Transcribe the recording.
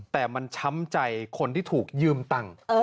แต่มันช้ำใจคนที่ถูกยืมตังค์